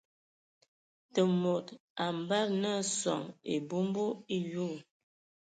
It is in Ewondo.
Te mod a ambada nə soŋ e abombo e yoo.